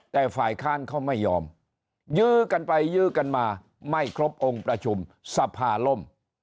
แต่ฝ่ายค้านเขาไม่ยอมยื้อกันไปยื้อกันมาไม่ครบองค์ประชุมสภาล่ม